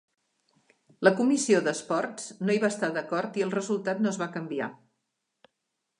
La Comissió d'Esports no hi va estar d'acord i el resultat no es va canviar.